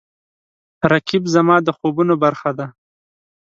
رقیب زما د خوبونو برخه ده